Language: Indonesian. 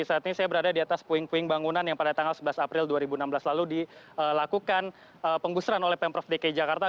saat ini saya berada di atas puing puing bangunan yang pada tanggal sebelas april dua ribu enam belas lalu dilakukan penggusuran oleh pemprov dki jakarta